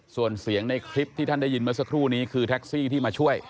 ส่วนเสียงในคลิปที่ท่านได้ยินเมื่อสักครู่นี้คือแท็กซี่ที่มาช่วย